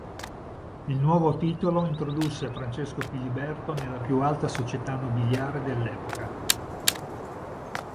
Il nuovo titolo introdusse Francesco Filiberto nella più alta società nobiliare dell'epoca.